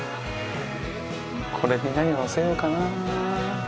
これに何載せようかな？